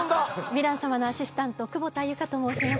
ヴィラン様のアシスタント久保田祐佳と申します。